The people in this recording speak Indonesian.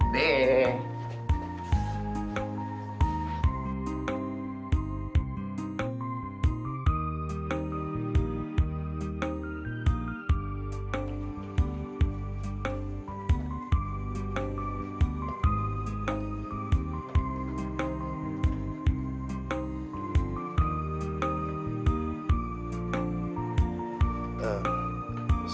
tuh di sini